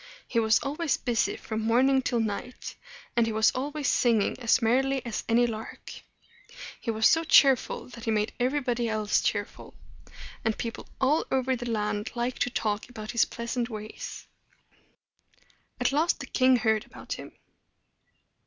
He was always busy from morning till night, and he was always singing as merrily as any lark. He was so cheerful that he made everybody else cheerful; and people all over the land liked to talk about his pleasant ways. At last the king heard about him.